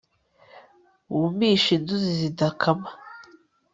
wumisha inzuzi zidakama